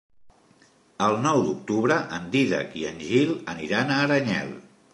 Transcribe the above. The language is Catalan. El nou d'octubre en Dídac i en Gil aniran a Aranyel.